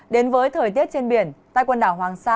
đến với thời tiết trên biển tại quần đảo hoàng sa